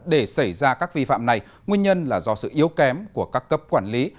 để xảy ra các vi phạm này nguyên nhân là do sự yếu kém của các cấp quản lý